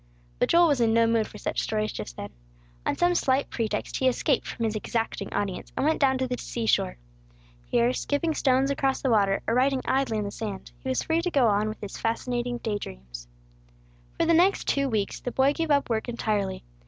But Joel was in no mood for such stories, just then. On some slight pretext he escaped from his exacting audience, and went down to the sea shore. Here, skipping stones across the water, or writing idly in the sand, he was free to go on with his fascinating day dreams. For the next two weeks the boy gave up work entirely.